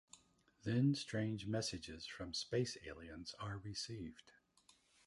Then strange messages from space aliens are received.